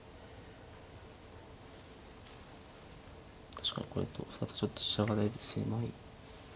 確かにこれだとちょっと飛車がだいぶ狭い。